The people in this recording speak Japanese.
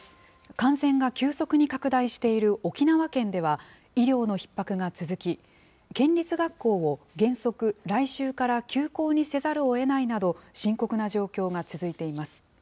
感染が急速に拡大している沖縄県では、医療のひっ迫が続き、県立学校を原則、来週から休校にせざるをえないなど、深刻な状況が続いています。